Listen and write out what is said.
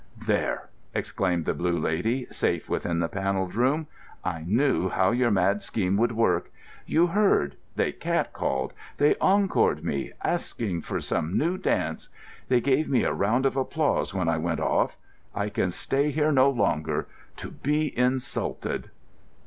"There!" exclaimed the Blue Lady, safe within the Panelled Room, "I knew how your mad scheme would work. You heard: they catcalled, they encored me, asked for some new dance. They gave me a round of applause when I went off. I can stay here no longer, to be insulted."